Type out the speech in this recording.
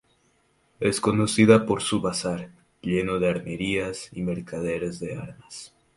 Es conocida por su bazar, lleno de armerías y mercaderes de armas.